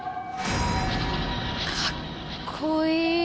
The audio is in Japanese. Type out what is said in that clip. かっこいい。